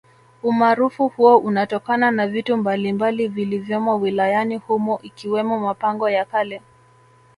Umarufu huo unatokana na vitu mbalimbali vilivyomo wilayani humo ikiwemo mapango ya kale